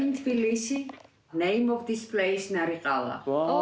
お！